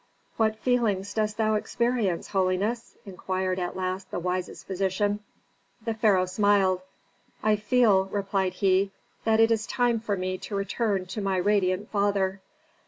"What feelings dost thou experience, holiness?" inquired at last the wisest physician. The pharaoh smiled. "I feel," replied he, "that it is time for me to return to my radiant father."